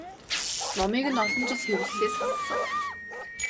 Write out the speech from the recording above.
Номыг нь олон жил хэвлэлээс хассан.